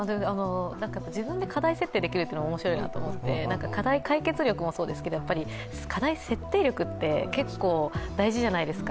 自分で課題設定できるというのが面白いなと思って、課題解決力もそうですけど課題設定力って結構大事じゃないですか。